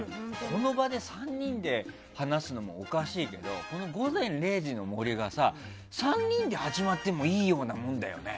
この場で、３人で話すのもおかしいけど「午前０時の森」はさ３人で始まってもいいようなもんだよね。